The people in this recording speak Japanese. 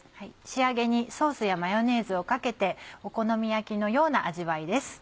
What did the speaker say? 仕上げにソースやマヨネーズをかけてお好み焼きのような味わいです。